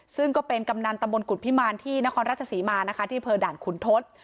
ซึ่งก็เป็นกำนันตำบลกุฎพิมารที่นครราชศรีมานะคะที่อำเภอด่านขุนทศ